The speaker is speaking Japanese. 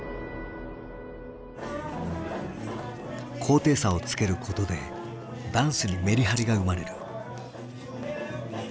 高低差をつけることでダンスにメリハリが生まれる。